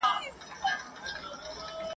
چي سبا او بله ورځ اوبه وچیږي ..